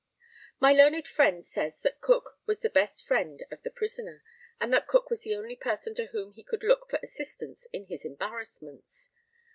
My learned friend says that Cook was the best friend of the prisoner, and that Cook was the only person to whom he could look for assistance in his embarrassments.